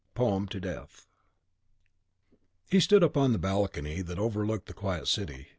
Uhland, "Poem to Death." He stood upon the lofty balcony that overlooked the quiet city.